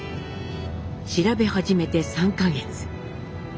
調べ始めて３か月。